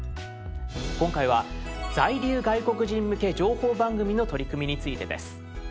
今回は「在留外国人向け情報番組」の取り組みについてです。